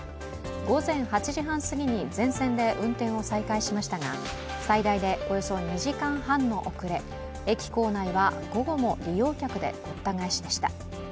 午前８時半すぎに全線で運転を再開しましたが、最大でおよそ２時間半の遅れ、駅構内は午後も利用客でごった返しました。